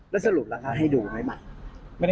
แล้วสรุปล่ะคะให้ดูไหมบัตร